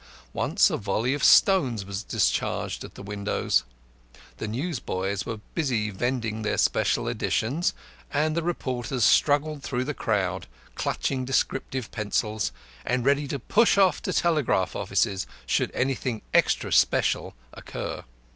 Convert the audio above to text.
Once a volley of stones was discharged at the windows. The newsboys were busy vending their special editions, and the reporters struggled through the crowd, clutching descriptive pencils, and ready to rush off to telegraph offices should anything "extra special" occur.